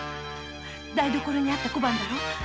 台所にあった小判だろ？